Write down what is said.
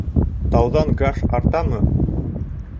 Тауҙан гаш артамы?